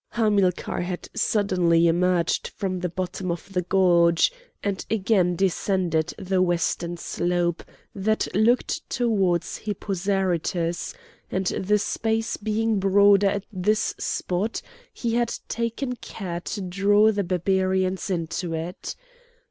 Hamilcar had suddenly emerged from the bottom of the gorge, and again descended the western slope that looked towards Hippo Zarytus, and the space being broader at this spot he had taken care to draw the Barbarians into it.